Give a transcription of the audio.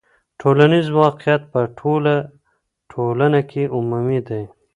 ټولنیز واقعیت په ټوله ټولنه کې عمومي دی.